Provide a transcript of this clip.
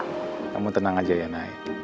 kamu tenang aja ya naik